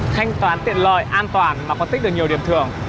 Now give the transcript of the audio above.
thanh toán tiện lợi an toàn mà còn tích được nhiều điểm thường